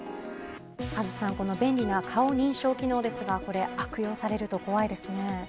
カズさん便利な顔認証機能ですが悪用されると怖いですね。